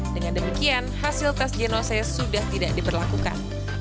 dengan demikian hasil tes genose sudah tidak diperlakukan